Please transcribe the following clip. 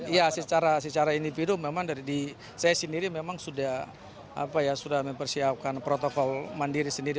ya secara individu memang dari saya sendiri memang sudah mempersiapkan protokol mandiri sendiri